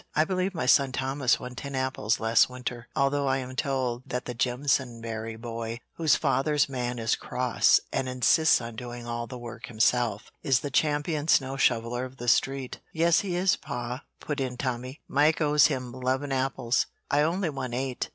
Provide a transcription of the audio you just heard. I believe my son Thomas won ten apples last winter, although I am told that the Jimpsonberry boy, whose father's man is cross, and insists on doing all the work himself, is the champion snow shoveller of the street." "Yes, he is, pa," put in Tommy. "Mike owes him 'leven apples. I only won eight."